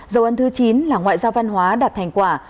dầu ân thứ chín là ngoại giao văn hóa đạt thành quả